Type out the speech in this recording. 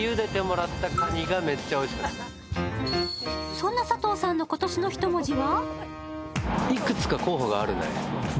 そんな佐藤さんの今年の一文字は？